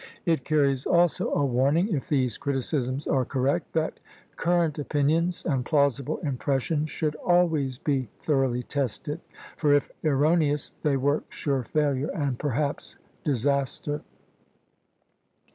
It carries also a warning, if these criticisms are correct, that current opinions and plausible impressions should always be thoroughly tested; for if erroneous they work sure failure, and perhaps disaster.